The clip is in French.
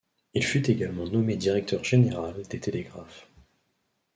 Il fut également nommé directeur général des télégraphes.